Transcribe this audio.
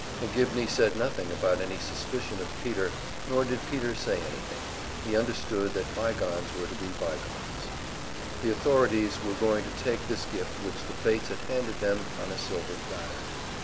McGivney said nothing about any suspicion of Peter, nor did Peter say anything he understood that by gones were to be by gones. The authorities were going to take this gift which the fates had handed to them on a silver platter.